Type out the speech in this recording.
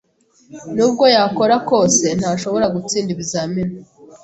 Nubwo yakora kose, ntashobora gutsinda ibizamini.